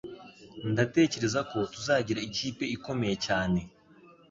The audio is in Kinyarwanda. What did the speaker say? Ndatekereza ko tuzagira ikipe ikomeye cyane.